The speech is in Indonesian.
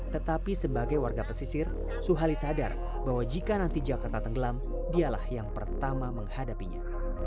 tetapi sebagai warga pesisir suhali sadar bahwa jika nanti jakarta tenggelam dialah yang pertama menghadapinya